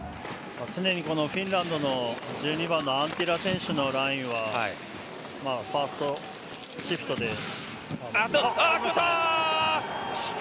常にフィンランドの１２番のアンティラ選手のラインはファーストシフトで。